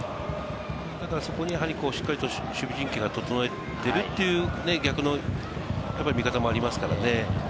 ただ、そこにしっかりと守備陣形を整えているという、逆の見方もありますからね。